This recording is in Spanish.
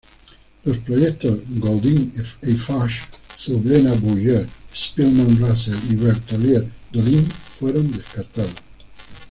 Los proyectos Gaudin-Eiffage, Zublena-Bouygues, Spielmann-Razel y Berlottier-Dodin fueron descartados.